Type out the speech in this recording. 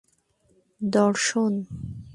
দর্শন